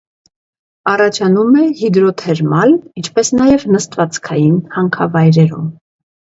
Առաջանում է հիդրոթերմալ, ինչպես նաև նստվածքային հանքավայրերում։